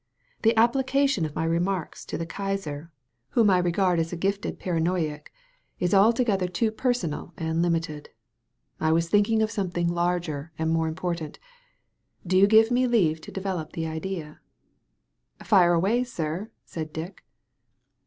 The application of my re marks to the Kaiser — ^whom I regard as a gifted 193 THE VALLEY OF VISION paranoiac — is altogether too personal and limited. I was thinking of something larger and more im portant. Do you* give me leave to develop the idea?" "Fire away, sir," said Dick.